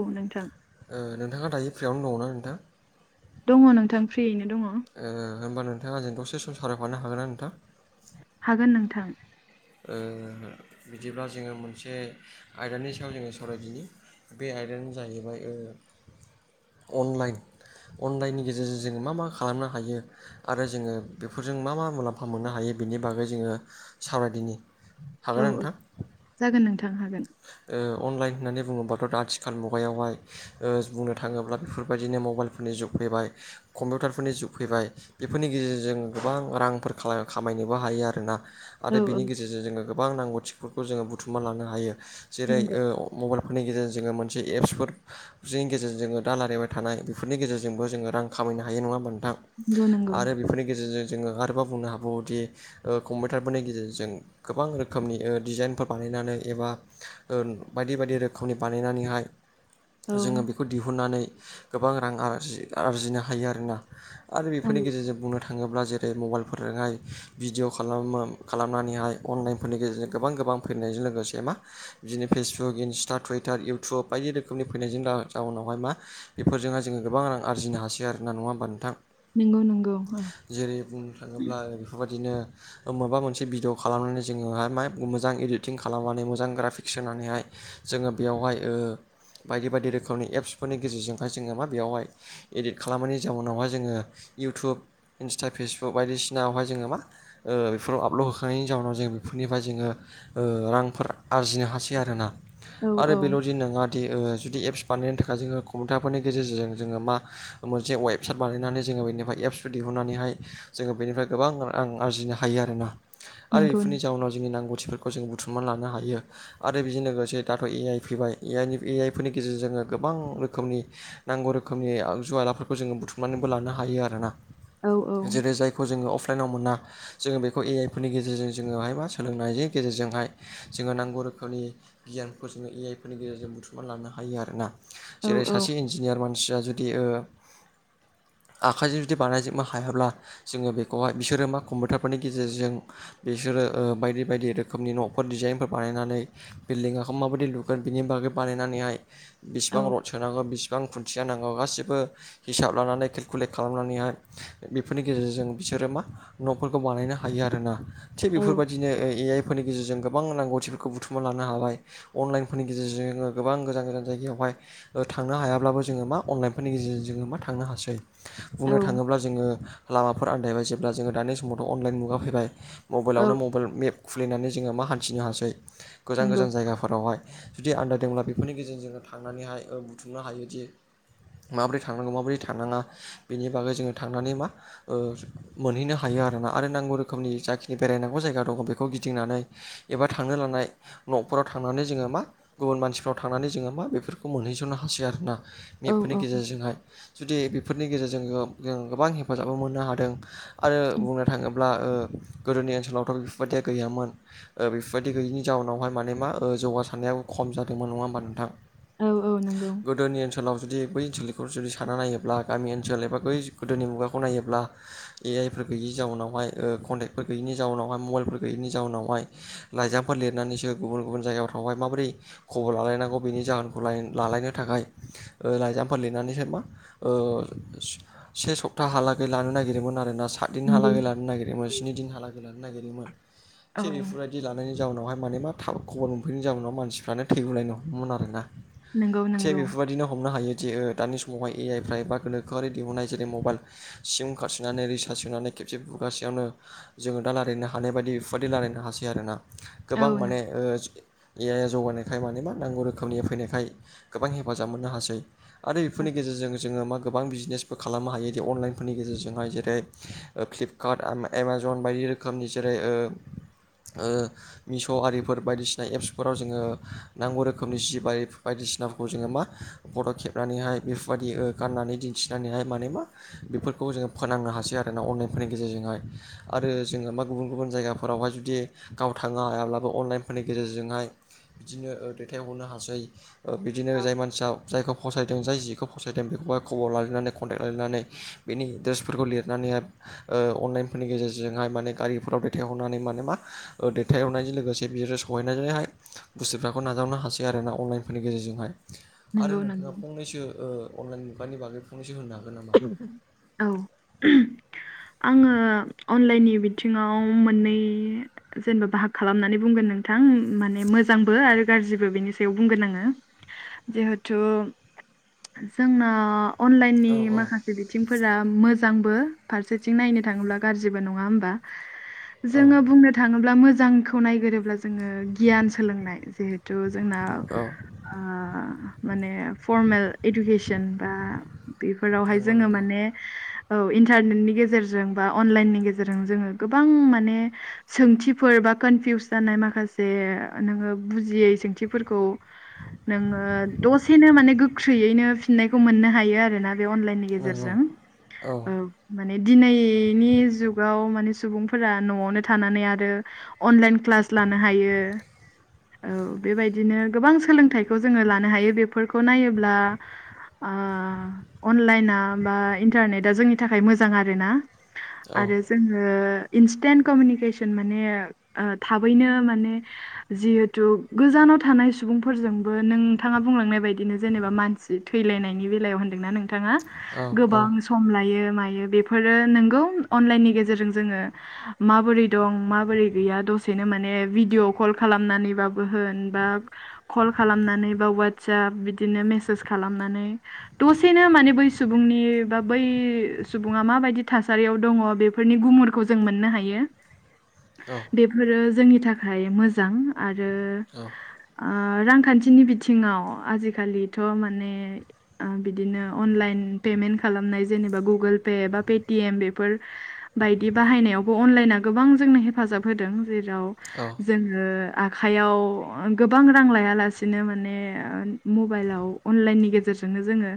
औ नोंथां। ओ-नोंथाङा दायो फ्रियावनो दङना नोंथां? दङ नोंथां फ्रि। होनबा नोंथाङा ओजों दसे सम सावरायफानो हागोन ना नोंथां? हागोन नोंथां। ओ बिदिब्ला जोङो मोनसे आयदानि सायाव जोङो सावरायदिनि। बे आयदायानो जाहैबाय ओ अनलाइन अनलाइननि गेजेरजों जों मा मा खालामनो हायो। आरो जोङो बेफोरजों मा मा मुलाम्फा मोननो हायो बिनि बागै जोङो सावरायदिनि। औ हागोना औ नोंथां? जागोन नोंथां हागोन। ओ अनलाइन होननानै बुङोबाथ' आथिखाल मुगायावहाय ओ बुंनो थाङोब्ला बेफोरबायदिनो मबाइलफोरनि जुग फैबाय, कम्पिउटारफोरनि जुग फैबाय बेफोरनि गेजेरजों गोबां रांफोर खामायनोबो हायो आरोना। औ आरो औ बिनि गेजेरजों जोङो गोबां नांगौथिफोरखौ जोङो बुथुमना लानो हायो। जेरै- नंगौ मबाइलफोरनि गेजेरजों जोङो मोनसे एप्सफोर नि गेजेरजों जोङो दा रायलायबाय थानाय बेफोरनि गेजेरजोंबो जोङो रां खामायनो हायो नङा होनबा नोंथां। नंगौ नंगौ आरो बेफोरनि गेजेरजों जोङो आरोबाव बुंनो हाबावोदि ओ कम्पिउटारफोरनि गेजेरजों गोबां रोखोमनि डिजाइनफोर बानायनानै एबा ओ बायदि बायदि रोखोमनि बानायनानैहाय औ जोङो बेखौ दिहुननानै गोबां रां आरजि आरजिनो हायो आरोना। आरो औ बेफोरनि गेजेरजों बुंनो थाङोब्ला जेरै मबाइलफोरजोंहाय भिडिअ खालाम खालामनानैहाय अनलाइनफोरनि गेजेरजों गोबां गोबां फैनायजों लोगोसे से मा बिदिनो फेसबुक, इन्स्टा, टुइटार, इउटुब बायदि रोखोमनि फैनायजों जाउनावहाय मा बेफोरजोंहाय जोङो गोबां रां आरजिनो हासै आरो ना नङा होमबा नोंथां। नंगौ नंगौ औ। जेरै बुंनो थाङोब्ला बेफोरबायदिनो माबा मोनसे भिडिअ खालामनानै जोङोहाय मा मोजां इडिटिं खालामनानै मोजां ग्राफिक्स होनानैहाय जोङो बेयावहाय ओ बायदि बायदि रोखोमनि एप्सफोरनि गेजेरजोंहाय जोङो मा बेयावहाय इदिट खालामनायनि जाउनावहाय जोङो इउटुब, इन्स्टा, फेसबुक बायदिसिनायावहाय जोङो मा ओ बेफोराव आपलड होखांनायनि जाउनाव जों बेफोरनिफ्राय जोङो ओ रां फोर आरजिनो हासै आरोना औ आरो औ बेल'दि नङा बिदि जुदि एप्स बानायनो थाखाय जोङो कम्पिउटारफोरनि गेजेरजों जोङो मा मोनसे वेब वेबसाइट बानायनानै जोङो बेनिफ्राय एप्सफोर दिहुननानैहाय जोङो बेनिफ्राय गोबां रां आरजिनो हायो आरोना। आरो नंगौ बेफोरनि जाउनाव जोंनि नांगौथिफोरखौ जों बुथुमनानै लानो हायो। आरो बेजों लोगोसे दाथ' ए आइ फैबाय ए आइ नि ए आइ फोरनि गेजेरजों जोङो गोबां रोखोमनि नांगौ रोखोमनि आगजु आलाफोरखौ जोङो बुथुमनानैबो लानो हायो आरोना। औ जेरै- जाय खौ जोङो अफलाइनाव मोना जोङो बेखौ ए आइ फोरनि गेजेरजों जोङोहाय बा सोलोंनायनि गेजेरजोंहाय जोङो नांगौ रोखोमनि गियानफोर जोङो ए आइ फोरनि गेजेरजों बुथुमनानै लानो हायो आरोना। औ जेरै औ सासे इन्जिनियार मानसिया जुदि ओ आखाइजों जुदि बानायजोबनो हायाब्ला जोङो बेखौहाय बिसोरो मा कम्पिउटारफोरनि गेजेरजों बिसोरो ओ बायदि बायदि रोखोमनि न' फोर डिजाइनफोर बानायनानै बिल्डिङाखौ माबायदि लुगोन बिनि बागै बानायनानैहाय औ बेसिबां रड सोनांगौ बेसिबां खुन्थिया नांगौ गासिबो हिसाब लानानै केलकुलेट खालामनानैहाय बेफोरनि गेजेरजों बिसोरो मा न'फोरखौ बानायनो हायो आरोना। थिग औ बेफोरबायदिनो ए आइ फोरनि गेजेरजों गोबां नांगौथिफोरखौ बुथुमना लानो हाबाय अनलाइनफोरनि गेजेरजों जोङो गोबां गोजान गोजान जायगायावहाय ओ थांनो हायाब्लाबो जोङो मा अनलाइनफोरनि गेजेरजों जोङो मा थांनो हासै। औ बुंनो थाङोब्ला जोङो लामाफोर आन्दायबाय जेब्ला जोङो दानि समावथ' अनलाइन मुगा फैबाय। औ मबाइलावनो मबाइल मेप खुलिनानै जोङो मा हान्थिनो हासै। गोजान नंगौ गोजान जायगा फोरावहाय जुदि आन्दायदोंब्ला बेफोरनि गेजेरजों जोङो थांनानैहाय ओ बुथुमनो हायोदि माबोरै थांनांगौ माबोरै थांनाङा बेनि बागै जोङो थांनानै मा ओ मोनहैनो हायो आरोना, आरो नांगौ रोखोमनि जाखिनि बेरायनांगौ जायगा दङ बेखौ गिदिंनानै एबा थांनो लानाय न'फोराव थांनानै जोङो मा गुबुन मानसिफ्राव थांनानै जोङो मा बेफोरखौ मोनहैस'नो हासै आरोना। औ बेफोरनि औ गेजेरजोंहाय जुदि बेफोरनि गेजेरजों जों जों गोबां हेफाजाबबो मोननो हादों। आरो बुंनो थाङोब्ला ओ गोदोनि ओनसोलावथ' बेफोरबायदिया गैयामोन। ओ बेफोरबायदि गैयिनि जाउनावहाय माने मा जौगासारनायाबो खम जादोंमोन नङा होनोमबा नोंथां? औ औ नंगौ गोदोनि ओनसोलाव जुदि बै ओनसोलनि जुदि साना नायोब्ला गामि ओनसोल एबा बै गोदोनि मुगाखौ नायोब्ला ए आइफोर गैयि जाउनावहाय ओ कन्टेक्टफोर गैयिनि जाउनावहाय मबाइलफोर गैयैनि जाउनावहाय लाइजामफोर लिरनानैसो गुबुन गुबुन जायगायाव थांबाय माबोरै खबर लालायनांगौ बिनि जाहोनखौ ला-लायनो थाखाय ओ लाइजामफोर लिरनानैसो मा ओ स-से सप्ता हालागै लानो नागिरदोंमोन आरोना सा दिन हालागै लानो नागिरयोमोन स्नि दिन हालागै लानो नागिरोमोन औ थिरि बिदि लानायनि जाउनावहाय माने मा थाब खबर मोनफिनैनि उनाव मानसिफ्रानो थैगुलायनो हमोमोन आरोना। नंगौ थि नंगौ बेफोरबायदिनो हमनो हायो जे ओ दानि समावहाय ए आइफ्रा एबा गोनोखोआरि दिहुनाय जेरै मबाइल सिम खारसोनानै रिसार्ज सोनानै खेबसे खुरगासेयावनो जोङो दा रायलायनो हानाय बायदि बेफोरबायदि रायलायनो हासै आरोना। औ गोबां माने ओ ए आइ जौगानायखाय माने मा नांगौ रोखोमनि फैनायखाय गोबां हेफाजाब मोननो हासै आरो बेफोरनि गेजेरजों जोङो मा गोबां बिजनेस बो खालामनो हायो दि अनलाइनफोरनि गेजेरजोंहाय जेरै ओ फ्लिपकार्ट एम-एमाजन बायदि रो खामनि जेरै ओ ओ मिश'आरिफोर बायदिसिना एप्सफोराव जोङो नांगौ रोखोमनि जिबि बाय-बायदिसिनाफोरखौ जोङो मा फट' खेबनानैहाय बेफोरबायदि ओ गाननानै दिन्थिनानैहाय माने मा बेफोरखौ जोङो फोनांनो हासै आरोना अनलाइनफोरनि गेजेरजोंहाय। आरो जोङो मा गुबुन गुबुन जायगाफोरावहाय जुदि गाव थांनो हायाब्लाबो अनलाइनफोरनि गेजेरजोंहाय बिदिनो ओ दैथायहरनो हासै। ओ बिदिनो जाय मानसिया जायखौ फसायदों जाय जिखौ फसायदों बेखौहाय खबर लालायनानै कन्टेक्ट लायनानै बेनि एड्रेसफोरखौ लिरनानैहाय ओ अनलाइनफोरनि गेजेरजोंहाय माने गारिफोराव दैथायहरनानै माने मा ओ दैथायहरनायजों लोगोसे बिसोरो सहैनानैहाय बुस्थुफोराखौ नाजावनो हासै आरो ना अनलाइनफोरनि गेजेरजोंहाय आरो नंगौ नोंथाङा नंगौ फंनैसो ओ अनलाइन मुगानि बागै फंनैसो होनो हागोन नामा? औ। [unintelligible] आङो अनलाइननि बिथिङाव मोननै जेनेबा बाहाग खालामनानै बुंगोन नोंथां। माने मोजांबो आरो गाज्रिबो बेनि सा बुंगोन आङो जिहेथु जोंना अनलाइननि औ औ मा बिथिंफोरा मोजांबो फारसेथिं नायनो थाङोब्ला गाज्रिबो नङा होमबा? औ जोङो बुंनो थाङोब्ला मोजांखौ नायगोरोब्ला जोङो गियान सोलोंनाय जिहेथु जोंना औ ओ माने फर्मेल इडुकेसन बा बेफोरावहाय नंगौ नंगौ बे औ इन्टारनेटनि गेजेरजों बा अनलाइननि गेजेरजों जोङो गोबां माने सोंथिफोर बा कनफिउस जानाय माखासे नोङो बुजियै सोंथिफोरखौ नोङो दसेनो माने गोख्रैयैनो फिननायखौ मोननो हायो आरोना बे अनलाइननि नंगौ गेजेरजों। औ ओ माने दिनैनि जुगाव माने सुबुंफोरा न'आवनो थानानै आरो अनलाइन क्लास लानो हायो। औ बेबायदिनो गोबां सोलोंथाइखौ जोङो लानो हायो। बेफोरखौ नायोब्ला ओ अनलाइना बा इन्टारनेटा जोंनि थाखाय मोजां आर ना। औ आरो जोङो इन्स्टेन्ट कमिउनिकेसन माने थाबैनो माने जिहेथु गोजानाव थानाय सुबुंफोरजोंबो नोंथाङा बुंलांनाय बायदिनो जेनेबा मान थैलायनायनि बेलायाव होनदोंना नोंथाङा। औ गोबां सम लायो मायो बेफोरो नोंगौ अनलाइननि गेजेरजों जोङो माबोरै दं माबोरै गैया दसेनो माने भिडिअ' कल खालामनानैबाबो होन बा कल खालामनानै बा वाट्साप बिदिनो मेसेज खालामनानै दसेनो माने बै सुब फुंनि बा बै सुबुङा माबायदि थासारियाव दङ बेफोरनि गुमुरखौ जों मोननो हायो। [inaudible] बेफोरो जोंनि थाखाय मोजां आरो औ ओ रांखान्थिनि बिथिङाव आजिखालिथ' माने ओ बिदिनो अनलाइन पेमेन्ट खालामनाय जेनेबा गुगोल पे बा पेटिएम बेफोर बायदि बाहायनायावबो अनलाइना गोबां जोंनो हेफाजाब होदों। जेराव औ। जोङो आखाइयाव गोबां रां लायालासिनो माने मबाइलाव अनलाइननि गेजेरजोंनो जोङो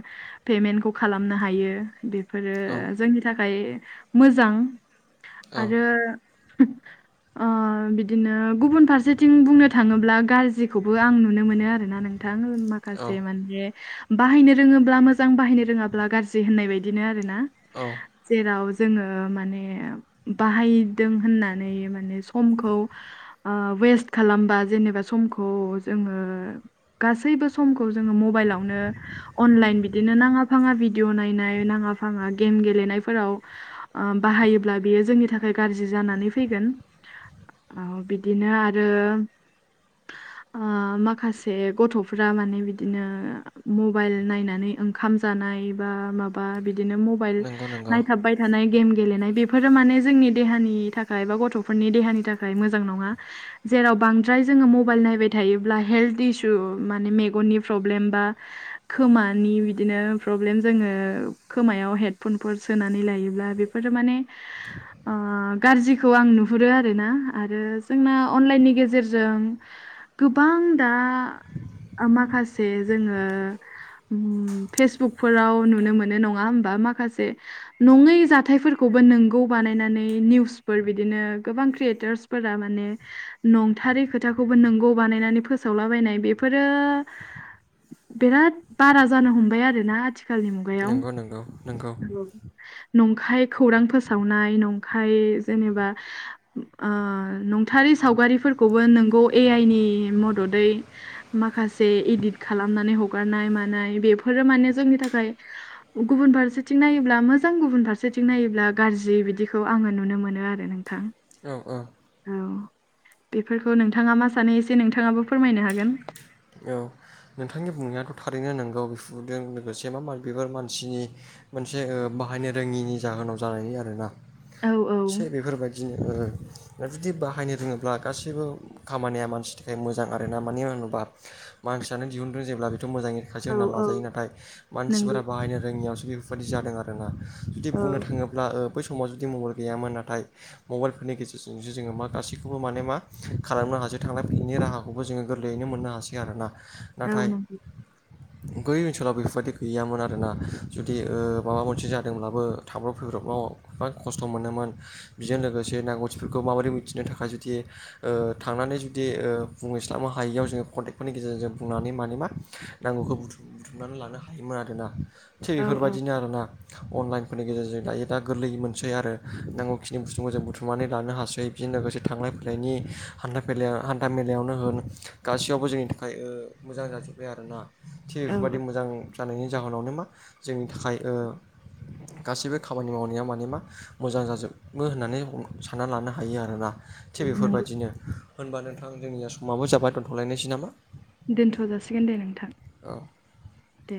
पेमेन्टखौ खालामनो हायो बेफोरो औ जोंनि थाखाय मोजां। औ आरो ओ बिदिनो गुबुन फारसेथिं बुंनो थाङोब्ला गाज्रिखौबो आं नुनो मोनो आरोना नों थां [unintelligible] माखासे औ माने बाहायनो रोङोब्ला मोजां बाहायनो रोङाब्ला गाज्रि होननाय बायदिनो आरो ना। औ। जेराव जोङो माने बाहायदों होननानै माने समखौ ओ वेस्ट खालामबा जेनेबा समखौ जोङो गासैबो समखौ जोङो मबाइलावनो अनलाइन बिदिनो नाङा फाङा भिडिअ नायनाय नाङा फाङा गेम गेलेनायफोराव बाहायोब्ला बेयो जोंनि थाख खाय गाज्रि जानानै फैगोन। अ बिदिनो आरो ओ माखासे गथ'फोरा माने बिदिनो मबाइल नायनानै ओंखाम जानाय बा माबा बिदिनो मबाइल नंगौ नंगौ नायथाबबाय थानाय गेम गेलेनाय बेफोरो माने जोंनि देहानि थाखाय बा गथ'फोरनि देहानि थाखाय मोजां नङा। जेराव बांद्राय जोङो मबाइल नायबाय थायोब्ला हेल्थ इसु माने मेगननि प्रब्लेम बा खोमानि बिदिनो प्रब्लेम जोङो खोमायाव हेडफनफोर सोनानै लायोब्ला बेफोरो माने ओ गाज्रिखौ आं नुहुरो आरोना। आरो जोंना अनलाइननि गेजेरजों गोबां दा ओ माखासे जोङो उम पेस बुकफोराव नुनो मोनो नङा होमबा माखासे नङै जाथायफोरखौबो नोंगौ बानायनानै निउसफोर बिदिनो गोबां क्रियेटरस फोरा माने नंथारै खोथाखौबो नोंगौ बानायनानै फोसावलाबायनाय बेफोरो बिराद बारा जानो हमबाय आरोना आथिखालनि मुगायाव नंगौ नंगौ नंगौ [unintelligible] नंखाय खौरां फोसावनाय नंखाय जेनेबा ओ नंथारै सावगारिफोरखौबो नोंगौ ए आइ नि मददै माखासे इदित खालामनानै हगारनाय मानाय बेफोरो माने जोंनि थाखाय गुबुन फारसेथिं नायोब्ला मोजां गुबुन फारसेथिं नायोब्ला गाज्रि बिदिखौ आङो नुनो मोनो आर नोंथां। औ औ। औ बेफोरखौ नोंथाङा मा सानो एसे नोंथाङाबो फोरमायनो हागोन। औ। नोंथांनि बुंनायाथ' थारैनो नंगौ बिफुदों लोगोसे मा मा बेफोर मानसिनि मोनसे ओ बाहायनो रोङिनि जाहोनाव जानायनि आरोना औ औ थि बेफोरबायदि बिदिनो ओ जुदि बाहायनो रोङोब्ला गासैबो खामानिया मानसिनि थाखाय मोजां आरोना मानो होनोबा मानसि फोरानो दिहुनदों जेब्ला बेथ' मोजाङैखासो औ होनना औ लाजायो नाथाय नोंगौ मानसिफोरा बाहायनो रोङैयाव सो बे बायदि जादों आरोना जुदि औ बुंनो थाङोब्ला ओ बै समाव जुदि मबाइल गैयामोन नाथाय मबाइलफोरनि गेजेरजोंसो जोङो मा गासैखौबो माने मा खालामनो हासै थांलाय फैनैनायनि राहा खौबो जोङो गोरलैयैनो मोननो हासै आरोना औ नाथाय नंगौ बै ओनसोलाव बेफोरबायदि गैयामोन आरोना जुदि ओ माबा मोनसे जादोंब्लाबो थांब्रब फैब्रबाव बिराद खस्थ' मोनोमोन। बिजों लोगोसे नांगौथिफोरखौ माबोरै मिथिनो थाखाय जुदि ओ थांनानै जुदि ओ बुंहैस्लाबनो हायियाव जोङो कन्टेक्टफोरनि गेजेरजों जों बुनानै माने मा नांगौखौ बुुथु-बुथुमनानै लानो हायोमोन आरोना। थिग औ औ बेफोरबायदिनो आरो ना। अनलाइनफोरनि गेजेरजों दायो दा गोरलै मोनसै आरो नांगौखिनि बुसथुखौ जों बुथुमनानै लानो हासै। बेजों लोगोसे थांलाय फैलायनि हान्था मेलाया हान्था मेलायावनो होन गासैयावबो जोंनि थाखाय ओ मोजां जाजोब्बाय आरोना थि औ बेफोरबायदि औ मोजां जानायनि जाहोनावनो मा जोंनि थाखाय ओ गासैबो खामानि मावनाया माने मा मोजां जाजोबो होननानै ह सानना लानो हायो आरोना। थिग नंगौ बेफोरबायदिनो होनबा नोंथां जोंनिया समाबो जाबाय दोनथ'लायनोसै नामा? दोनथ' जासिगोन दे नोंथां। औ। दे